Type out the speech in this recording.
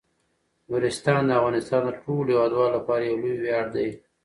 نورستان د افغانستان د ټولو هیوادوالو لپاره یو لوی ویاړ دی.